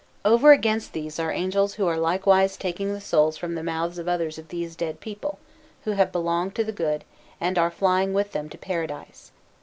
Over against these are angels who are likewise taking the souls from the mouths of others of these dead people, who have belonged to the good, and are flying with them to Paradise.